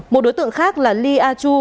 một đối tượng khác là ly a chu